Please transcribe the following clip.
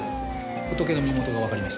ホトケの身元がわかりました。